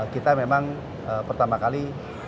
kita memang pertama kali